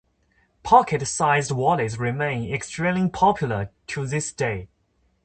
Pocket-sized wallets remain extremely popular to this day.